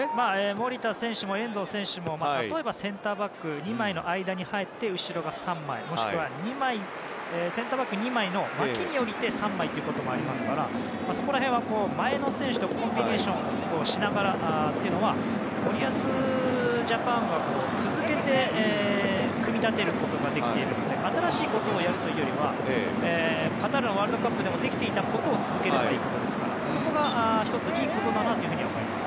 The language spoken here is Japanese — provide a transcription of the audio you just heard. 守田選手も遠藤選手も例えば、センターバック２枚の間に入って後ろが３枚、もしくはセンターバック２枚の脇に下りて３枚ということもあるのでそこら辺は前の選手とコンビネーションしながらというのは森保ジャパンは続けて組み立てることができているので新しいことをやるというよりカタールワールドカップでもできていたことを続けるということですからそこが１つ、いいことだと思います。